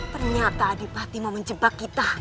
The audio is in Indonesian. ternyata adipati mau menjebak kita